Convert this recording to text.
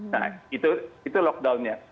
nah itu itu lockdownnya